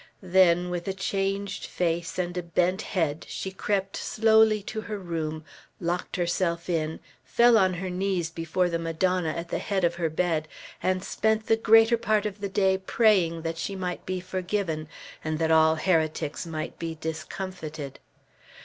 Then with a changed face and a bent head she crept slowly to her room, locked herself in, fell on her knees before the Madonna at the head of her bed, and spent the greater part of the day praying that she might be forgiven, and that all heretics might be discomfited.